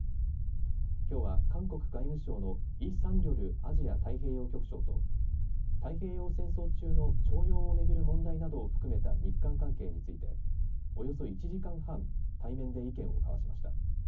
きょうは韓国外務省のイ・サンリョルアジア太平洋局長と太平洋戦争中の徴用を巡る問題などを含めた日韓関係についておよそ１時間半対面で意見を交わしました。